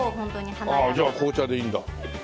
ああじゃあ紅茶でいいんだ。